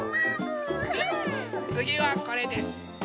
つぎはこれです。